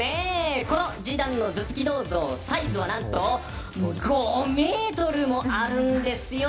このジダンの頭突き銅像サイズは何と５ｍもあるんですよ。